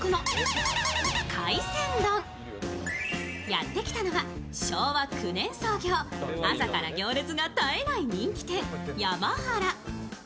やってきたのは昭和９年創業、朝から行列が絶えない人気店、山はら。